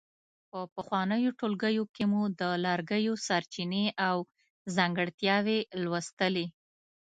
په پخوانیو ټولګیو کې مو د لرګیو سرچینې او ځانګړتیاوې لوستلې.